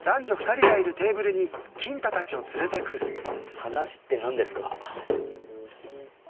話って何ですか？